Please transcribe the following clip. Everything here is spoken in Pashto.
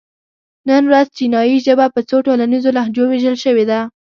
نن ورځ چینایي ژبه په څو ټولنیزو لهجو وېشل شوې ده.